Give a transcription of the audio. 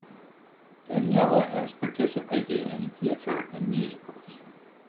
Daniela has participated in theater and musicals.